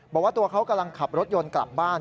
บอกว่าตัวเขากำลังขับรถยนต์กลับบ้าน